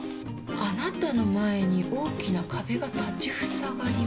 「あなたの前に大きな壁が立ちふさがります」